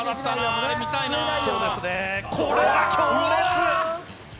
これは強烈。